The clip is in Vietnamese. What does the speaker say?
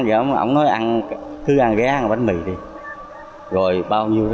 dạ ông nói ăn cứ ăn ghé ăn bánh mì đi rồi bao nhiêu r